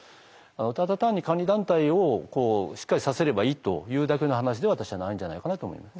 ただ単に監理団体をしっかりさせればいいというだけの話では私はないんじゃないかなと思います。